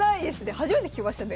初めて聞きましたね